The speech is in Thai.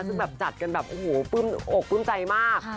ซึ่งจัดกันแบบโอ้โฮปื้มใจมาก